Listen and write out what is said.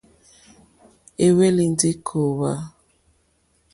É hwélì ndí kòòhvà.